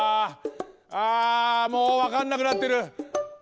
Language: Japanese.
あもうわかんなくなってる！